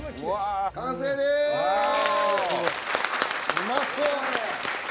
うまそう。